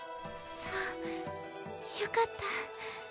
そうよかった。